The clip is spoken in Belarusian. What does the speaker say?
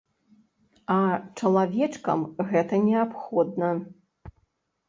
А чалавечкам гэта неабходна.